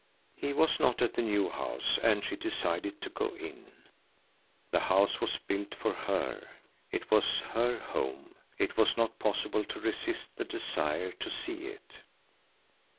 He was not at the new house and she decided to go in. The house was built for her. It was her home. It was not possible to resist the desire to see it.